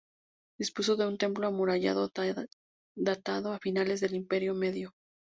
Dispuso de un templo amurallado datado a finales del Imperio Medio.